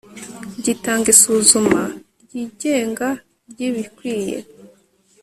gitanga isuzuma ryigenga ry ibikwiye